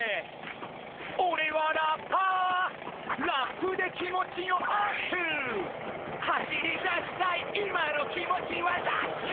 「オレはラッパー」「ラップで気持ちをアップ」「走り出したい今の気持ちはダッシュ」